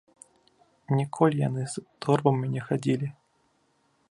Ніколі яны з торбамі не хадзілі.